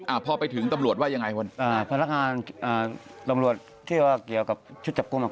พอไปถึงตำรวจว่ายังไงคุณอ่าพนักงานอ่าตำรวจที่ว่าเกี่ยวกับชุดจับกลุ่มอ่ะ